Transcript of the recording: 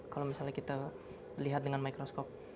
kalau misalnya kita lihat dengan mikroskop